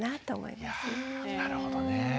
いやなるほどね。